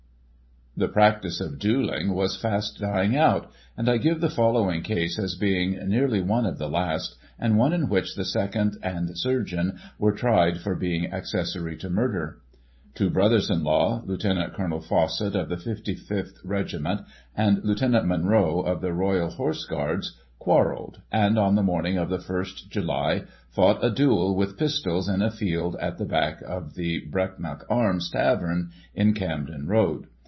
The practice of duelling was fast dying out, and I give the following case as being nearly one of the last, and one in which the seconds and surgeon were tried for being acces sory to murder. Two brothers in law — ^Lt. Col. Fawcett of the 55th Regiment and Lt. Munro of the Royal Horse Guards — quarrelled, and on the morning of the ist July fought a duel with pistols in a field at the back of the " Brecknock Arms Tavern," in Camden Road.